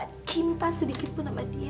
aku gak cinta sedikit pun sama dia